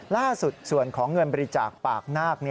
ล่าสุดส่วนของเงินบริจาคปากนาค